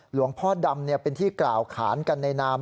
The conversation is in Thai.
หลวงพ่อดำเป็นที่กล่าวขานกันในนาม